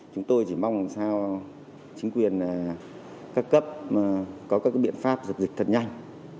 chúng tôi chỉ mong sao chính quyền cao cấp có các biện pháp dịch dịch thật nhanh